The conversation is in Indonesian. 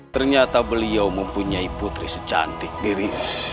ternyata beliau mempunyai putri secantik diri